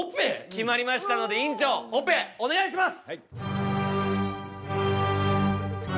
決まりましたので院長オペお願いします！